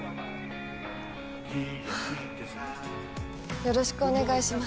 よろしくお願いします。